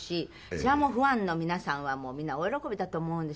それはもうファンの皆さんはみんな大喜びだと思うんですよね